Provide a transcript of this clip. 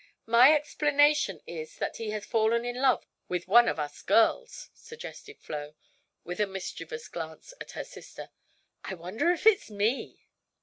"My explanation is that he has fallen in love with one of us girls," suggested Flo, with a mischievous glance at her sister. "I wonder if it's me?"